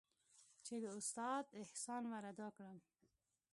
چې د استاد احسان ورادا کړم.